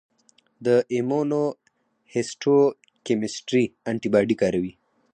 د ایمونوهیسټوکیمسټري انټي باډي کاروي.